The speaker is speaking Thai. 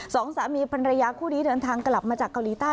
สองสามีภรรยาคู่นี้เดินทางกลับมาจากเกาหลีใต้